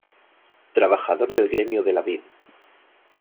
Trabajador del Gremio de la Vid.